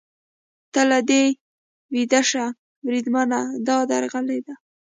ته له دې ویده شه، بریدمنه، دا درغلي ده.